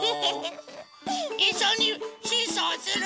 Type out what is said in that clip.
いっしょにシーソーする！